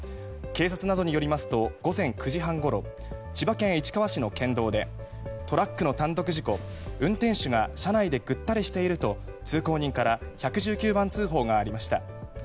警察などによりますと午前９時半ごろ千葉県市川市の県道でトラックの単独事故運転手が車内でぐったりしていると通行人から１１９番通報がありました。